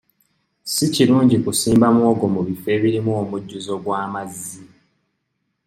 Si kirungi kusimba muwogo mu bifo ebirimu omujjuzo gw'amazzi.